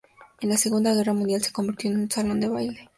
En la Segunda Guerra Mundial se convirtió en un salón de baile.